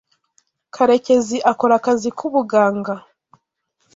Karekezi akora akazi k’ubuganga